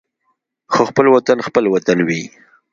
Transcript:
خو خپل وطن خپل وطن وي.